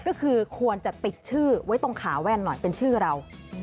ก็คือควรจะติดชื่อไว้ตรงขาแว่นหน่อยเป็นชื่อเรา